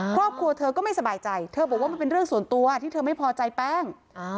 ครอบครัวเธอก็ไม่สบายใจเธอบอกว่ามันเป็นเรื่องส่วนตัวที่เธอไม่พอใจแป้ง